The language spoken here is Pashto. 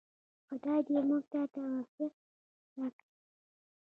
خدای دې موږ ته توفیق راکړي؟